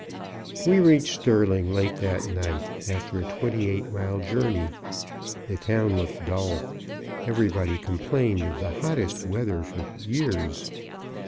We reached Sterling late that night, after a twenty eight mile journey. The town looked dull. Everybody complained of the hottest weather for years.